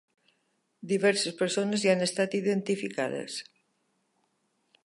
Diverses persones hi han estat identificades.